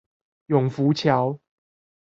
永福橋